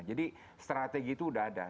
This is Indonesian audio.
jadi strategi itu sudah ada